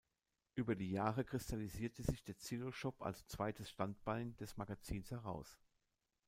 Über die Jahre kristallisierte sich der Zillo-Shop als zweites Standbein des Magazins heraus.